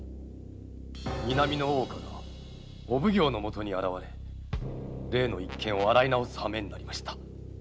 南の大岡がお奉行のもとに現れ例の一件を洗い直すはめになりました。